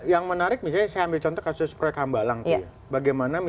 yang menarik misalnya saya ambil contoh kasus proyek hambalang